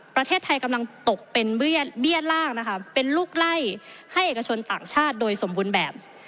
ประเทศไทยกำลังตกเป็นเบี้ยล่างนะคะเป็นลูกไล่ให้เอกชนต่างชาติโดยสมบูรณ์แบบ